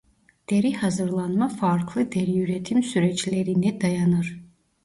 Deri hazırlanma farklı deri üretim süreçleri'ne dayanır.